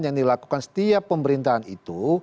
yang dilakukan setiap pemerintahan itu